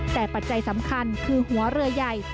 แต่ปัจจัยสำคัญคือหัวเรือใหญ่